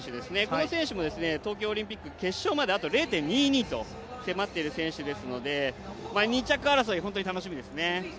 この選手も東京オリンピック決勝まであと０．２２と迫っている選手なので２着争い、楽しみですね。